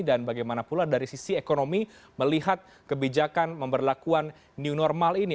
dan bagaimana pula dari sisi ekonomi melihat kebijakan memperlakukan new normal ini